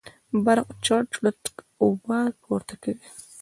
برق چړت چړت اوبه پورته کوي.